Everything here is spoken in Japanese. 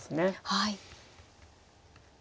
はい。